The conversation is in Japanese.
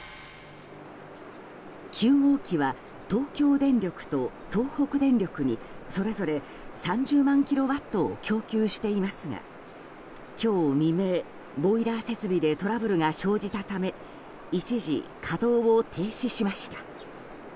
９号機は東京電力と東北電力にそれぞれ３０万キロワットを供給していますが今日未明、ボイラー設備でトラブルが生じたため一時稼働を停止しました。